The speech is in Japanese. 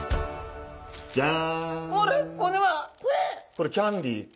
これキャンディー。